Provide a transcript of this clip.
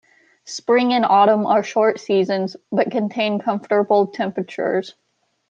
Spring and autumn are short seasons, but contain comfortable temperatures.